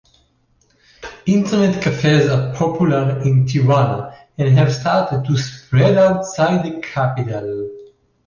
Internet cafes are popular in Tirana and have started to spread outside the capital.